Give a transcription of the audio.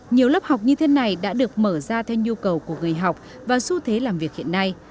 nhiều lớp học như thế này đã được mở ra theo nhu cầu của người học và xu thế làm việc hiện nay